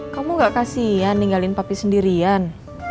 kamu gak kasian ninggalin papi sendirian